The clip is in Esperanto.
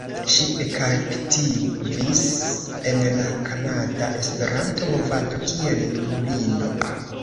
Ŝi ekaktivis en la kanada Esperanto-movado kiel junulino.